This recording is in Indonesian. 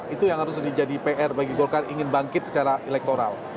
itu yang harus jadi pr bagi golkar ingin bangkit secara elektoral